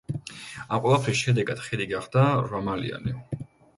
ამ ყველაფრის შედეგად ხიდი გახდა რვამალიანი.